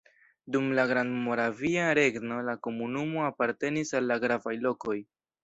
Dum la Grandmoravia Regno la komunumo apartenis al la gravaj lokoj.